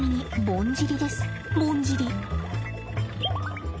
ぼんじり。